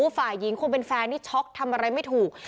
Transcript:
ฝ่ายหญิงคงเป็นแฟนนี่ช็อกทำอะไรไม่ถูก